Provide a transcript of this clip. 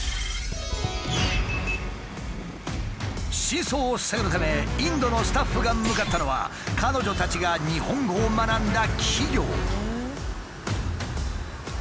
真相を探るためインドのスタッフが向かったのは彼女たちが日本語を学んだ企業。